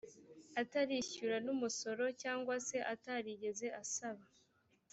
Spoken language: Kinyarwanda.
atarishyura n umusoro cyangwa se atarigeze asaba